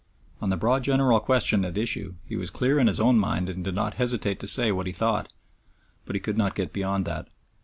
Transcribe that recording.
On the broad general question at issue he was clear in his own mind and did not hesitate to say what he thought, but he could not get beyond that.